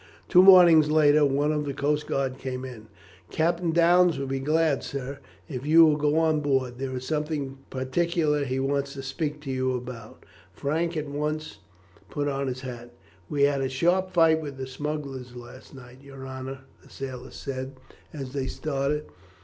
Two mornings later one of the coast guard came in. "Captain Downes will be glad, sir, if you will go on board; there is something particular that he wants to speak to you about." Frank at once put on his hat. "We had a sharp fight with the smugglers last night, your honour," the sailor said as they started.